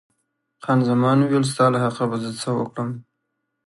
خان زمان وویل، ستا له حقه به زه څه وکړم.